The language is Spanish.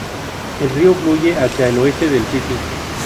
El río fluye hacia el oeste del sitio.